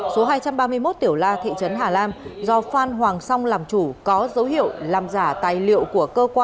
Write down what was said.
số hai trăm ba mươi một tiểu la thị trấn hà lam do phan hoàng song làm chủ có dấu hiệu làm giả tài liệu